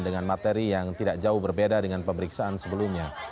dengan materi yang tidak jauh berbeda dengan pemeriksaan sebelumnya